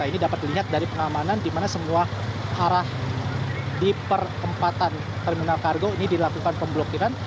ini dapat dilihat dari pengamanan di mana semua arah di perempatan terminal kargo ini dilakukan pemblokiran